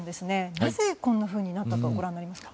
なぜ、こんなふうになったとご覧になりますか。